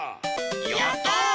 やった！